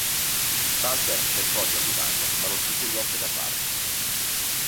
Walter cercò di aiutarlo, ma non ci fu niente da fare.